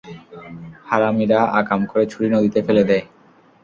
হারামিরা আকাম করে ছুরি নদীতে ফেলে দেয়।